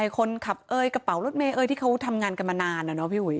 คนขับเอ้ยกระเป๋ารถเมย์เอ้ยที่เขาทำงานกันมานานอะเนาะพี่อุ๋ย